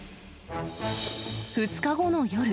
２日後の夜。